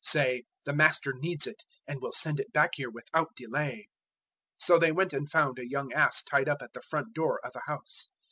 say, 'The Master needs it, and will send it back here without delay.'" 011:004 So they went and found a young ass tied up at the front door of a house.